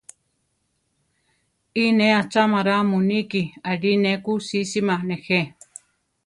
Iʼ ne achámara muníki; aʼlí ne ku sísima nejé.